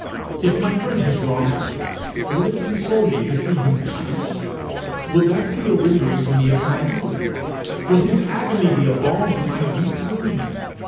If my friend has wronged me, will it console me to see him punished? Will that be a rendering to me of my due? Will his agony be a balm to my deep wound?